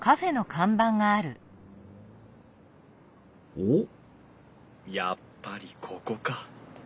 おっやっぱりここか。